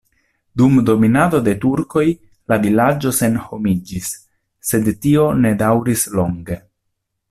Dum dominado de turkoj la vilaĝo senhomiĝis, sed tio ne daŭris longe.